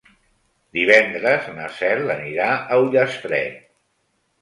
Divendres na Cel anirà a Ullastret.